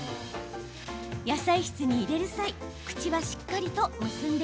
野菜室に入れる際口はしっかりと結んでくださいね。